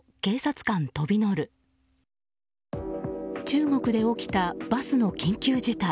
中国で起きたバスの緊急事態。